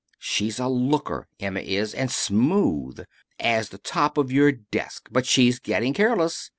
"She's a looker, Emma is. And smooth! As the top of your desk. But she's getting careless.